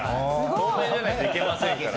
透明じゃないと行けませんからね。